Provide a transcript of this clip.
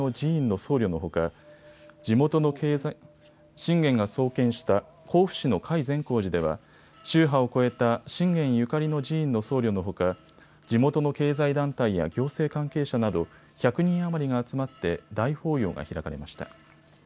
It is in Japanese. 信玄が創建した甲府市の甲斐善光寺では宗派を超えた信玄ゆかりの人の僧侶のほか地元の経済団体や行政関係者など１００人余りが集まって大法要が開かれました。